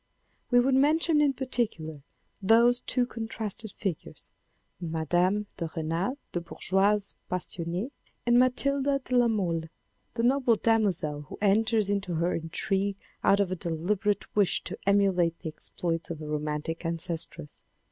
We would mention in particular those two contrasted figures, Mme. de R6nal the bourgeoise passionee, and Matilde de la Mole the noble damozel who enters into her intrigue out of a deliberate wish to emulate the exploits of a romantic ancestress.